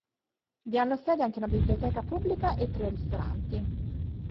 Vi hanno sede anche una biblioteca pubblica e tre ristoranti.